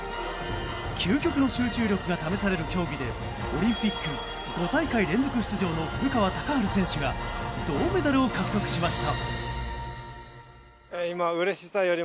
究極の集中力が試される競技でオリンピック５大会連続出場の古川高晴選手が銅メダルを獲得しました。